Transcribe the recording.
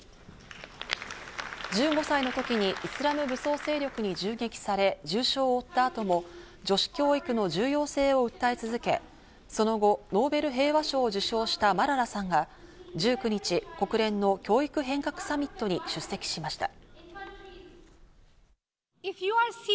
１５歳の時にイスラム武装勢力に銃撃され重傷を負ったあとも、女子教育の重要性を訴え続け、その後、ノーベル平和賞を受賞したマララさんが１９日、国連の教育変革サミットに出席しました。